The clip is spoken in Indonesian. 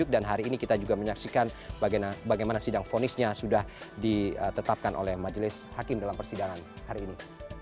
dan hari ini kita juga menyaksikan bagaimana sidang fonisnya sudah ditetapkan oleh majelis hakim dalam persidangan hari ini